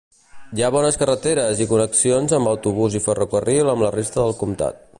Hi ha bones carreteres i connexions amb autobús i ferrocarril amb la resta del comtat.